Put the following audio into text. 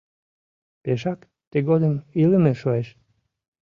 Пешак тыгодым илыме шуэш!